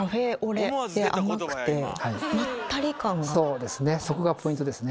そうですねそこがポイントですね。